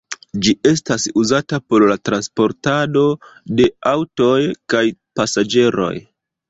Ĝi estas uzata por la transportado de aŭtoj kaj pasaĝeroj.